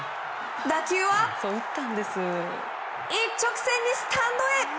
打球は一直線にスタンドへ！